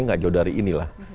tidak jauh dari inilah